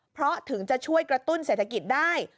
เพราะถึงจะช่วยกระตุ้นเศรษฐกิจได้